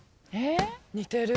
似てる。